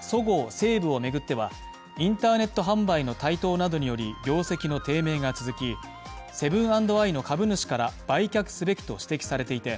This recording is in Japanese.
そごう・西武を巡ってはインターネット販売の台頭などにより業績の低迷が続き、セブン＆アイの株主から売却すべきと指摘されていて、